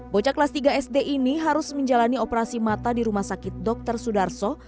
bocah kelas tiga sd ini harus menjalani operasi mata di rumah sakit dr sudarso